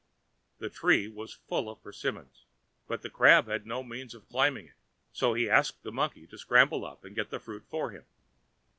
The tree was full of persimmons, but the Crab had no means of climbing it, so he asked the Monkey to scramble up and get the fruit for him.